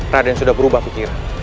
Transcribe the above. raden sudah berubah pikiran